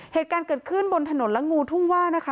เหตุการณ์เกิดขึ้นบนถนนและงูทุ่งว่านะคะ